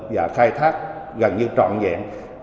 đối tác gần như trọn dạng